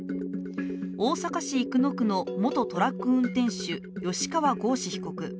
大阪市生野区の元トラック運転手吉川剛司被告。